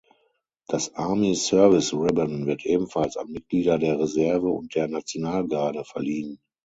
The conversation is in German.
Das Army Service Ribbon wird ebenfalls an Mitglieder der Reserve und der Nationalgarde verliehen.